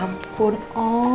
om buat ini semua